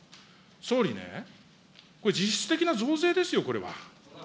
総理ね、これ実質的な増税ですよ、これは。